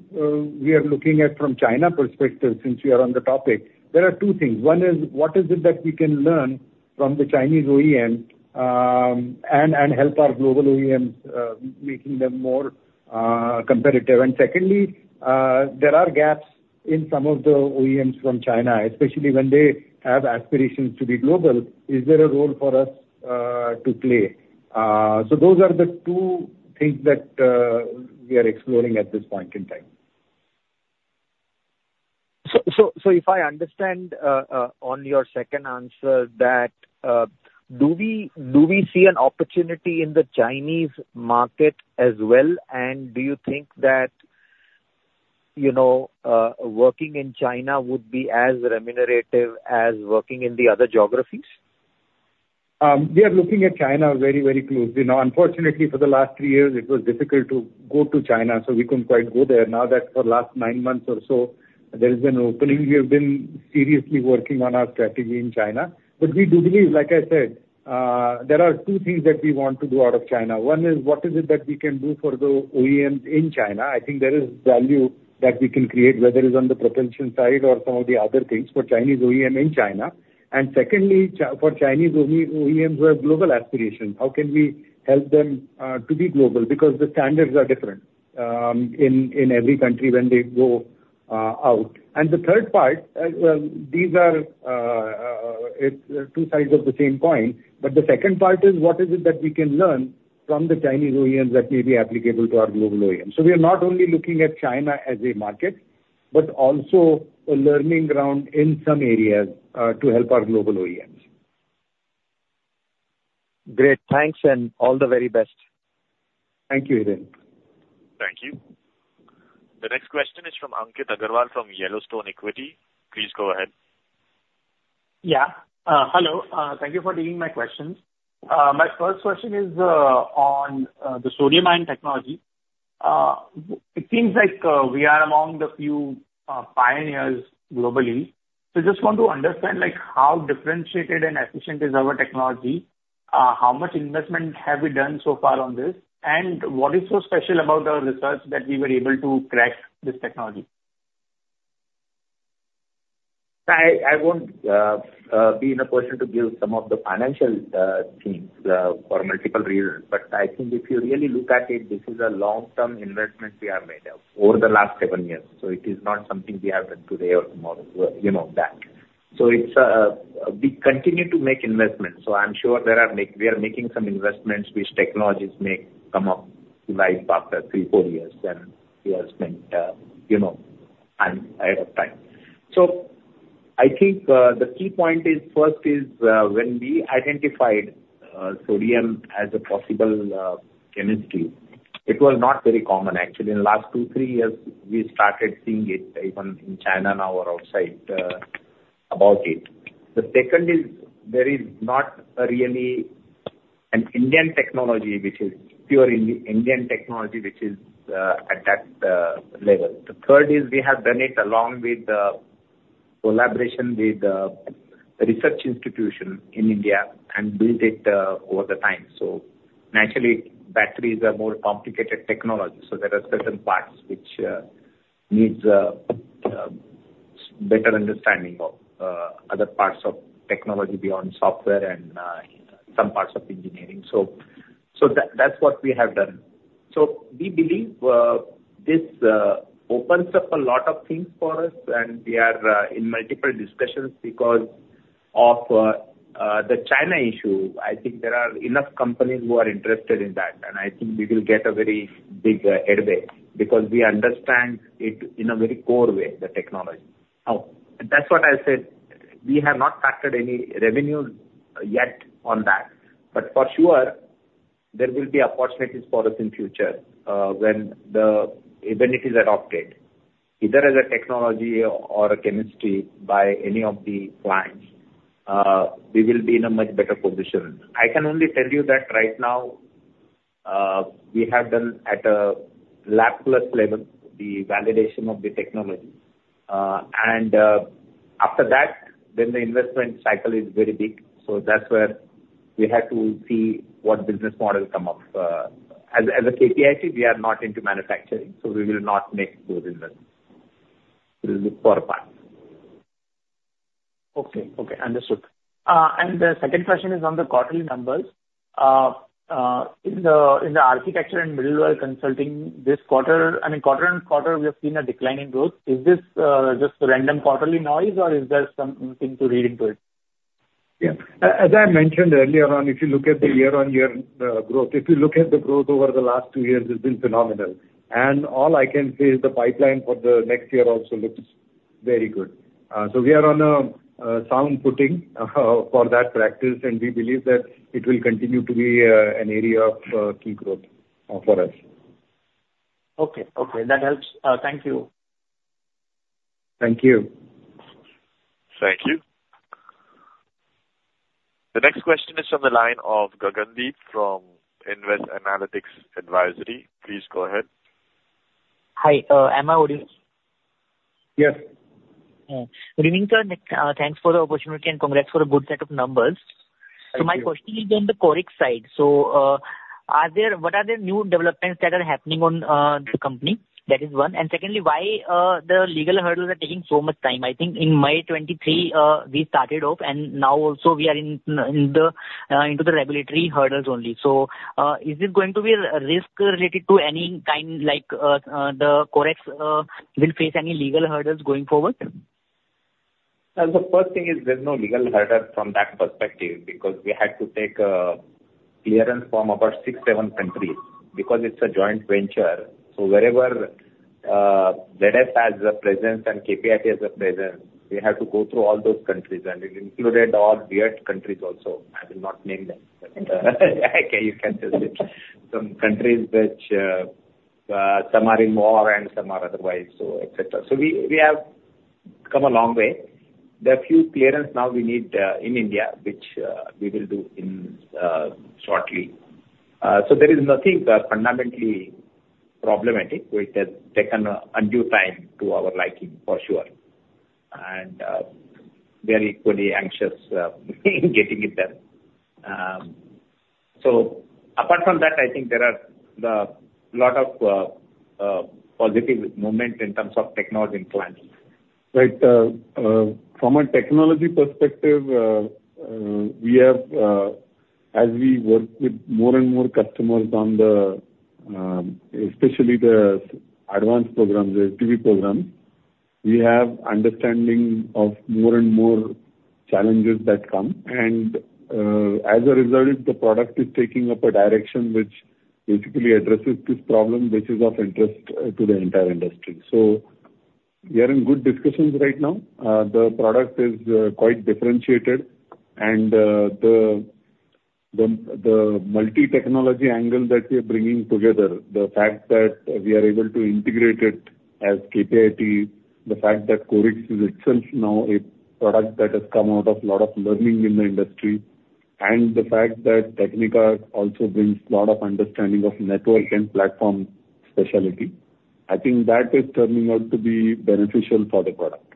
Speaker 4: we are looking at from China perspective, since we are on the topic, there are two things. One is, what is it that we can learn from the Chinese OEM, and help our global OEMs, making them more competitive? And secondly, there are gaps in some of the OEMs from China, especially when they have aspirations to be global. Is there a role for us to play? So those are the two things that we are exploring at this point in time.
Speaker 16: So, if I understand on your second answer, do we see an opportunity in the Chinese market as well, and do you think that, you know, working in China would be as remunerative as working in the other geographies?
Speaker 4: We are looking at China very, very closely. Now, unfortunately, for the last three years it was difficult to go to China, so we couldn't quite go there. Now that for the last nine months or so there has been an opening, we have been seriously working on our strategy in China. But we do believe, like I said, there are two things that we want to do out of China. One is, what is it that we can do for the OEMs in China? I think there is value that we can create, whether it's on the propulsion side or some of the other things for Chinese OEM in China. And secondly, for Chinese OEM, OEMs who have global aspirations, how can we help them to be global? Because the standards are different, in, in every country when they go out. The third part, well, it's two sides of the same coin, but the second part is, what is it that we can learn from the Chinese OEMs that may be applicable to our global OEMs? So we are not only looking at China as a market, but also a learning ground in some areas, to help our global OEMs.
Speaker 16: Great! Thanks and all the very best.
Speaker 4: Thank you, Hiren.
Speaker 1: Thank you. The next question is from Ankit Agarwal, from Yellowstone Equity. Please go ahead.
Speaker 17: Yeah. Hello. Thank you for taking my questions. My first question is on the sodium ion technology. It seems like we are among the few pioneers globally. So just want to understand, like, how differentiated and efficient is our technology? How much investment have we done so far on this? And what is so special about our research that we were able to crack this technology?
Speaker 4: I won't be in a position to give some of the financial things for multiple reasons. But I think if you really look at it, this is a long-term investment we have made over the last seven years, so it is not something we have done today or tomorrow, you know, that. So it's we continue to make investments, so I'm sure there are we are making some investments which technologies may come up to life after three, four years, when we have spent, you know, and ahead of time. So I think the key point is, first is, when we identified sodium as a possible chemistry, it was not very common actually. In last two, three years, we started seeing it even in China now or outside about it. The second is, there is not really an Indian technology, which is pure Indian technology, which is at that level. The third is we have done it along with the collaboration with research institution in India and built it over the time. So naturally, batteries are more complicated technology, so there are certain parts which needs better understanding of other parts of technology beyond software and some parts of engineering. So that's what we have done. So we believe this opens up a lot of things for us, and we are in multiple discussions because of the China issue. I think there are enough companies who are interested in that, and I think we will get a very big headway, because we understand it in a very core way, the technology. Now, that's what I said, we have not factored any revenue yet on that, but for sure, there will be opportunities for us in future, when the... When it is adopted, either as a technology or a chemistry by any of the clients, we will be in a much better position. I can only tell you that right now, we have done at a lab plus level, the validation of the technology. And, after that, then the investment cycle is very big, so that's where we have to see what business model come up. As a KPIT, we are not into manufacturing, so we will not make those investments. We will look for a partner.
Speaker 17: Okay. Okay, understood. And the second question is on the quarterly numbers. In the architecture and middleware consulting this quarter, I mean, quarter-on-quarter, we have seen a decline in growth. Is this just random quarterly noise or is there something to read into it?
Speaker 4: Yeah. As I mentioned earlier on, if you look at the year-on-year growth, if you look at the growth over the last two years, it's been phenomenal. And all I can say is the pipeline for the next year also looks very good. So we are on a sound footing for that practice, and we believe that it will continue to be an area of key growth for us.
Speaker 18: Okay. Okay, that helps. Thank you.
Speaker 4: Thank you.
Speaker 1: Thank you. The next question is on the line of Gagandeep from Invest Analytics Advisory. Please go ahead.
Speaker 19: Hi, am I audible?
Speaker 4: Yes.
Speaker 19: Good evening, sir. Thanks for the opportunity, and congrats for a good set of numbers.
Speaker 4: Thank you.
Speaker 19: So my question is on the Curix side. So, are there, what are the new developments that are happening on, the company? That is one. And secondly, why the legal hurdles are taking so much time? I think in May 2023, we started off, and now also we are in the regulatory hurdles only. So, is it going to be a risk related to any kind, like, the Curix will face any legal hurdles going forward?
Speaker 4: The first thing is there's no legal hurdle from that perspective because we had to take clearance from about 6-7 countries because it's a joint venture. So wherever ZF has a presence and KPIT has a presence, we have to go through all those countries, and it included all weird countries also. I will not name them, but you can just say some countries which some are in war and some are otherwise, so et cetera. So we have come a long way. There are few clearance now we need in India, which we will do in shortly. So there is nothing fundamentally problematic, which has taken undue time to our liking, for sure. And we are equally anxious getting it there. Apart from that, I think there are the lot of positive moment in terms of technology and planning.
Speaker 6: Right. From a technology perspective, we have, as we work with more and more customers on the, especially the advanced programs, the ATV programs, we have understanding of more and more challenges that come, and, as a result, the product is taking up a direction which basically addresses this problem, which is of interest to the entire industry. So we are in good discussions right now. The product is quite differentiated, and the multi-technology angle that we are bringing together, the fact that we are able to integrate it as KPIT, the fact that Curix is itself now a product that has come out of a lot of learning in the industry, and the fact that Technica also brings a lot of understanding of network and platform specialty, I think that is turning out to be beneficial for the product.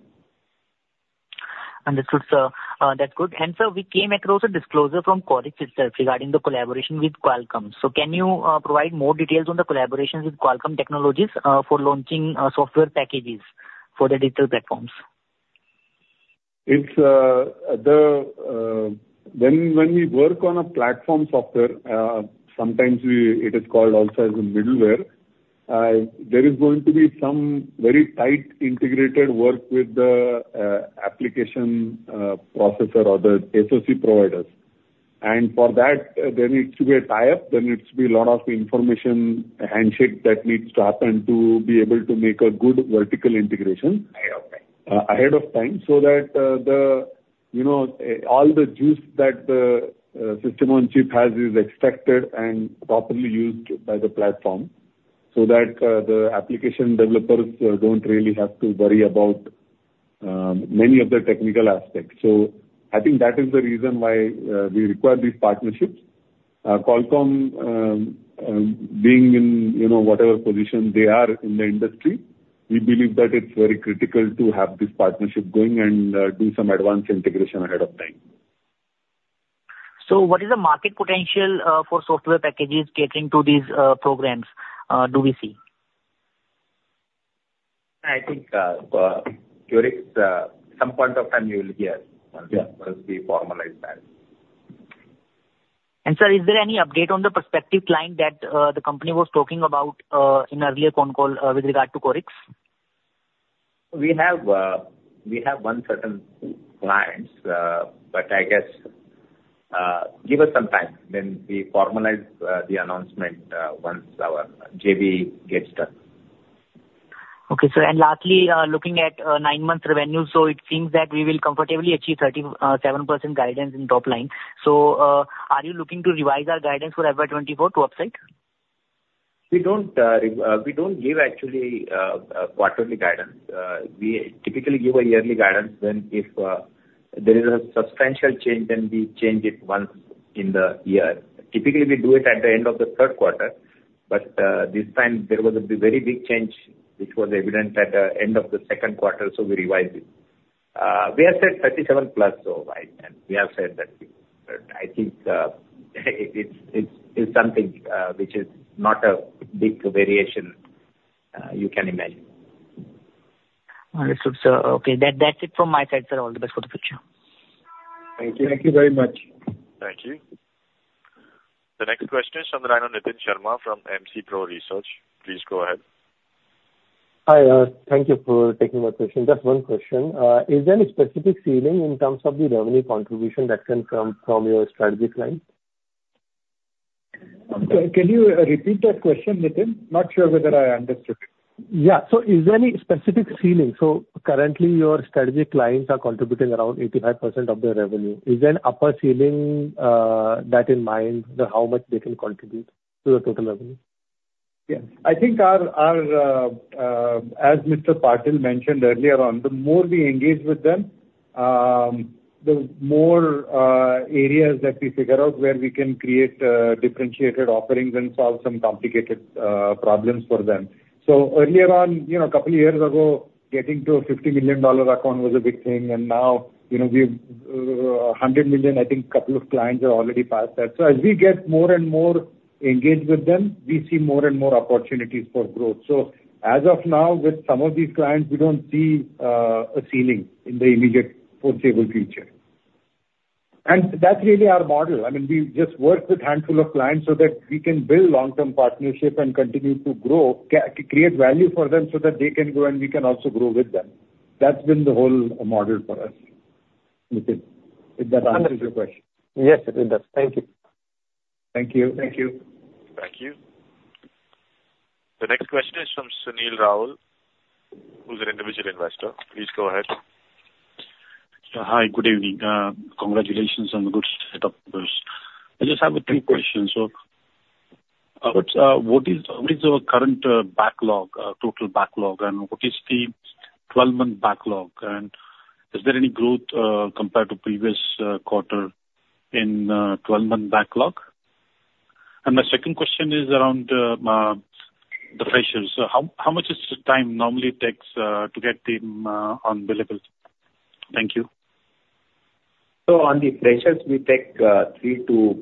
Speaker 19: Understood, sir. That's good. Sir, we came across a disclosure from Curix itself regarding the collaboration with Qualcomm. Can you provide more details on the collaborations with Qualcomm Technologies for launching software packages for the digital platforms?
Speaker 6: When we work on a platform software, sometimes it is called also as a middleware. There is going to be some very tight integrated work with the application processor or the SoC providers. And for that, there needs to be a tie-up, there needs to be a lot of information handshake that needs to happen to be able to make a good vertical integration.
Speaker 19: Okay.
Speaker 6: Ahead of time, so that, you know, all the juice that the system on chip has is extracted and properly used by the platform, so that the application developers don't really have to worry about many of the technical aspects. So I think that is the reason why we require these partnerships. Qualcomm, being in, you know, whatever position they are in the industry, we believe that it's very critical to have this partnership going and do some advanced integration ahead of time.
Speaker 19: What is the market potential for software packages getting to these programs? Do we see?
Speaker 4: I think, Curix, some point of time you will hear-
Speaker 6: Yeah
Speaker 4: once we formalize that.
Speaker 19: Sir, is there any update on the prospective client that the company was talking about in earlier con call with regard to Curix?
Speaker 4: We have one certain clients, but I guess, give us some time. Then we formalize the announcement once our JV gets done.
Speaker 19: Okay, sir. And lastly, looking at nine-month revenue, so it seems that we will comfortably achieve 37% guidance in top line. So, are you looking to revise our guidance for FY 2024 to upside?
Speaker 4: We don't give actually quarterly guidance. We typically give a yearly guidance when, if, there is a substantial change, then we change it once in the year. Typically, we do it at the end of the third quarter, but this time there was a very big change, which was evident at the end of the second quarter, so we revised it. We have said 37+, so right then, we have said that, but I think it's something which is not a big variation, you can imagine.
Speaker 19: Understood, sir. Okay, that's it from my side, sir. All the best for the future.
Speaker 4: Thank you.
Speaker 6: Thank you very much.
Speaker 1: Thank you. The next question is from the line of Nitin Sharma from MC Pro Research. Please go ahead.
Speaker 18: Hi, thank you for taking my question. Just one question. Is there any specific ceiling in terms of the revenue contribution that came from your strategic client?...
Speaker 6: Can, can you repeat that question, Nitin? Not sure whether I understood.
Speaker 3: Yeah. Is there any specific ceiling? Currently, your strategic clients are contributing around 85% of the revenue. Is there an upper ceiling that in mind, the how much they can contribute to the total revenue?
Speaker 6: Yeah. I think as Mr. Patil mentioned earlier on, the more we engage with them, the more areas that we figure out where we can create differentiated offerings and solve some complicated problems for them. So earlier on, you know, a couple of years ago, getting to a $50 million account was a big thing, and now, you know, we've $100 million, I think a couple of clients are already past that. So as we get more and more engaged with them, we see more and more opportunities for growth. So as of now, with some of these clients, we don't see a ceiling in the immediate foreseeable future. And that's really our model. I mean, we just work with handful of clients so that we can build long-term partnership and continue to grow, create value for them so that they can grow and we can also grow with them. That's been the whole model for us, Nitin, if that answers your question.
Speaker 3: Yes, it does. Thank you.
Speaker 6: Thank you.
Speaker 1: Thank you. Thank you. The next question is from Sunil Raul, who's an individual investor. Please go ahead.
Speaker 20: Hi, good evening. Congratulations on the good set up. I just have a few questions. So, what is your current backlog, total backlog, and what is the 12-month backlog? And is there any growth compared to previous quarter in 12-month backlog? And my second question is around the freshers. So how much is the time normally it takes to get them on billable? Thank you.
Speaker 4: So on the freshers, we take 3-4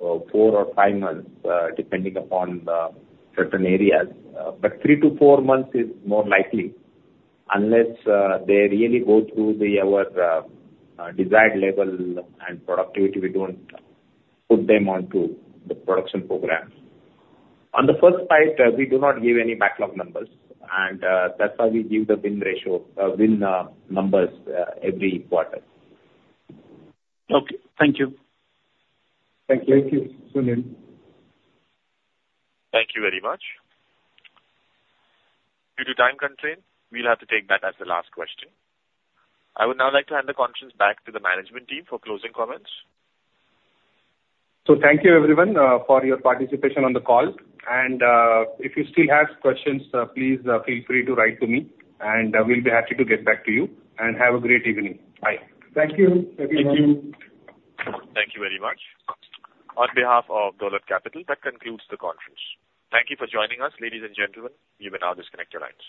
Speaker 4: or 5 months depending upon the certain areas. But 3-4 months is more likely, unless they really go through our desired level and productivity, we don't put them onto the production programs. On the first part, we do not give any backlog numbers, and that's why we give the win ratio win numbers every quarter.
Speaker 20: Okay. Thank you.
Speaker 6: Thank you.
Speaker 1: Thank you, Sunil. Thank you very much. Due to time constraint, we'll have to take that as the last question. I would now like to hand the conference back to the management team for closing comments.
Speaker 3: Thank you, everyone, for your participation on the call, and if you still have questions, please feel free to write to me, and we'll be happy to get back to you. Have a great evening. Bye.
Speaker 6: Thank you, everyone.
Speaker 1: Thank you. Thank you very much. On behalf of Dolat Capital, that concludes the conference. Thank you for joining us, ladies and gentlemen. You may now disconnect your lines.